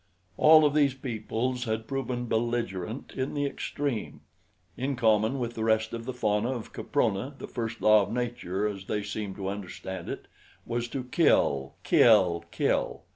All of these peoples had proven belligerent in the extreme. In common with the rest of the fauna of Caprona the first law of nature as they seemed to understand it was to kill kill kill.